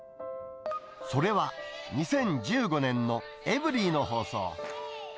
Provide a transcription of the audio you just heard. それは２０１５年のエブリィの放送。